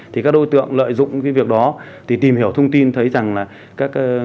thì các đối tượng lợi dụng cái việc đó thì tìm hiểu thông tin thấy rằng là các